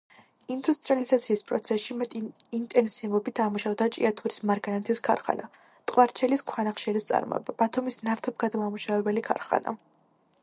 ინდუსტრიალიზაციის პროცესში მეტი ინტენსივობით ამუშავდა ჭიათურის მარგანეცის ქარხანა, ტყვარჩელის ქვანახშირის წარმოება, ბათუმის ნავთობგადამამუშავებელი ქარხანა.